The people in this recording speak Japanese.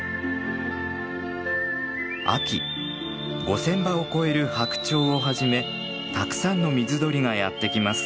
秋５，０００羽を超えるハクチョウをはじめたくさんの水鳥がやって来ます。